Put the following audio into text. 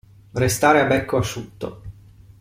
Restare a becco asciutto.